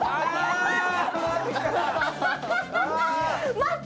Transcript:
待って！